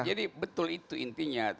jadi betul itu intinya